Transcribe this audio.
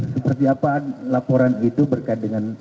seperti apa laporan itu berkait dengan